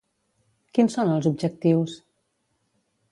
Quins són els objectius?